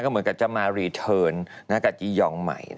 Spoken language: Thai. ก็เหมือนกันจะมาและจียองใหม่